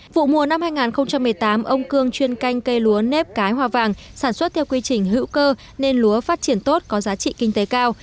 vụ mùa năm hai nghìn một mươi tám ông cương chuyên canh cây lúa nếp cái hoa vàng sản xuất theo quy trình hữu cơ nên lúa phát triển tốt có giá trị kinh tế cao